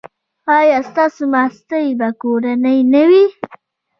ایا ستاسو ماستې به کورنۍ نه وي؟